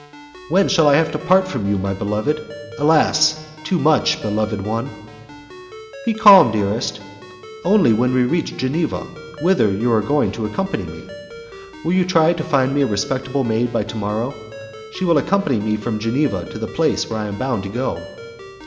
"When shall I have to part from you, my beloved, alas! too much beloved one?" "Be calm, dearest, only when we reach Geneva, whither you are going to accompany me. Will you try to find me a respectable maid by to morrow? She will accompany me from Geneva to the place where I am bound to go."